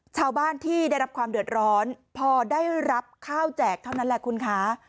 ชาวบ้านที่ได้รับความเดือดร้อนพอได้รับข้าวแจกเท่านั้นแหละคุณคะ